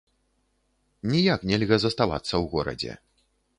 Ніяк нельга заставацца ў горадзе.